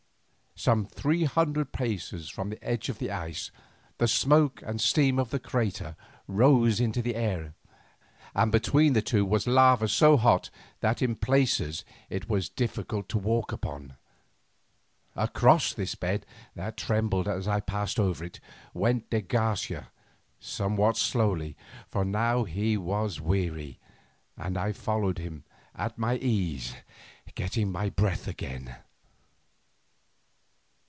Some three hundred paces from the edge of the ice, the smoke and steam of the crater rose into the air, and between the two was lava so hot that in places it was difficult to walk upon it. Across this bed, that trembled as I passed over it, went de Garcia somewhat slowly, for now he was weary, and I followed him at my ease, getting my breath again.